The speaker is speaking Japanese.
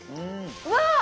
うわ！